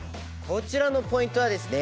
こちらのポイントはですね